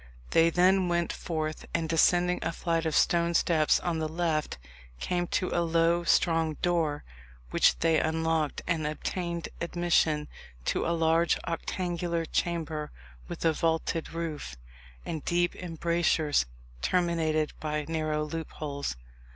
They then went forth, and descending a flight of stone steps on the left, came to a low strong door, which they unlocked, and obtained admission to a large octangular chamber with a vaulted roof, and deep embrasures terminated by narrow loopholes.